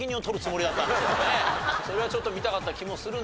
それはちょっと見たかった気もするんですが。